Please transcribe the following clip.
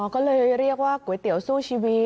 ก็เลยเรียกว่าก๋วยเตี๋ยวสู้ชีวิต